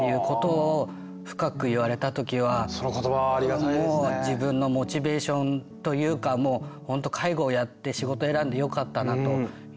もう自分のモチベーションというか本当介護をやって仕事を選んでよかったなというふうに思いました。